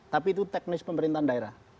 tapi itu teknis pemerintahan daerah